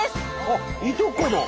あっいとこの。